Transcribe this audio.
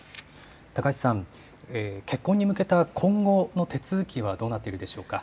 高橋さん、結婚に向けた今後の手続きはどうなっているでしょうか。